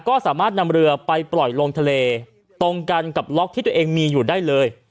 ก็สามารถนำเรือไปปล่อยลงทะเลตรงกันกับล็อกที่ตัวเองมีอยู่ได้เลย